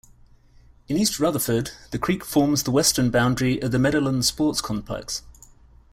In East Rutherford, the creek forms the western boundary of the Meadowlands Sports Complex.